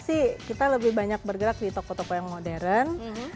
sih kita lebih banyak bergerak di toko toko yang modern